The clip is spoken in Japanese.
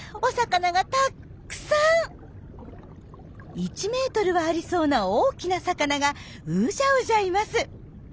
１ｍはありそうな大きな魚がうじゃうじゃいます。